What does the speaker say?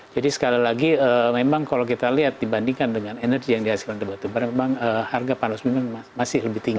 jadi sekali lagi memang kalau kita lihat dibandingkan dengan energy yang dihasilkan dari batubara memang harga pln memang masih lebih tinggi